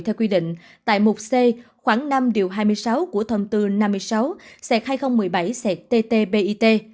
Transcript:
theo quy định tại mục c khoảng năm hai mươi sáu của thông tư năm mươi sáu hai nghìn một mươi bảy ttbit